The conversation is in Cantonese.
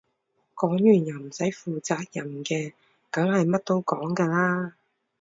講完又唔使負責嘅梗係乜都講㗎啦